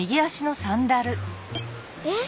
えっ？